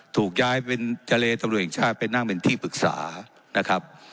ถูกย้ายเป็นทะเลตำรวจแห่งชาติไปนั่งเป็นที่ปรึกษานะครับ